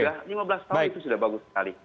ya lima belas tahun itu sudah bagus sekali